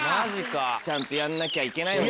ちゃんとやんなきゃいけないのに。